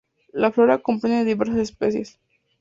La flora comprende diversas especies.